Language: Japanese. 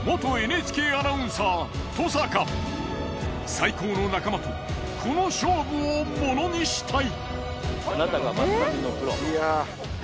最高の仲間とこの勝負をものにしたい。